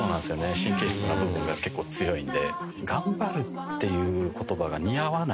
神経質な部分が結構強いんで。